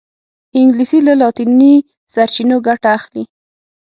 انګلیسي له لاطیني سرچینو ګټه اخلي